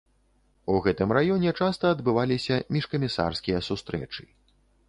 У гэтым раёне часта адбываліся міжкамісарскія сустрэчы.